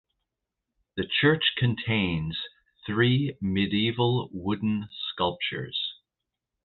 The church contains three medieval wooden sculptures.